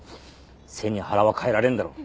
背に腹は代えられんだろ。